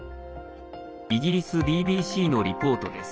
イギリスＢＢＣのリポートです。